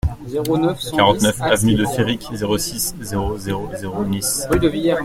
quarante-neuf avenue de Féric, zéro six, zéro zéro zéro, Nice